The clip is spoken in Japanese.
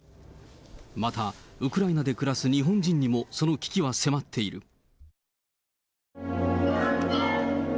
また、ウクライナで暮らす日本人にも、その危機は迫っている。